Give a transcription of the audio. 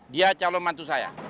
dia calon mantu saya